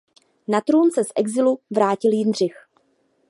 Na trůn se z exilu vrátil Jindřich.